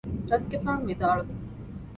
ރަސްގެފާނު ވިދާޅުވި